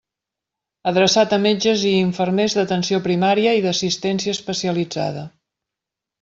Adreçat a metges i infermers d'Atenció Primària i d'Assistència Especialitzada.